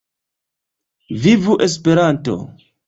Vivu Esperanto!